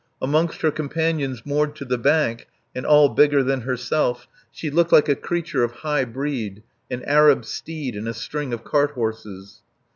Amongst her companions moored to the bank, and all bigger than herself, she looked like a creature of high breed an Arab steed in a string of cart horses.